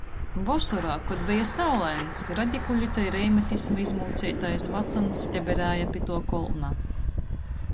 Vosorā, kod beja saulains, radikulita i reimatisma izmūceitais vacyns steberēja pi tuo kolna.